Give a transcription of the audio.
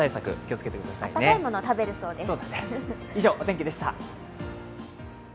温かいもの食べるそうです。